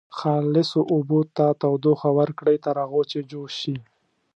خالصو اوبو ته تودوخه ورکړئ تر هغو چې جوش شي.